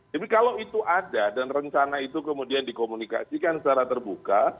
tapi kalau itu ada dan rencana itu kemudian dikomunikasikan secara terbuka